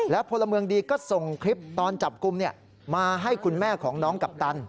พลเมืองดีก็ส่งคลิปตอนจับกลุ่มมาให้คุณแม่ของน้องกัปตัน